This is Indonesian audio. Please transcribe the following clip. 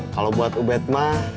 kalau buat ubed mak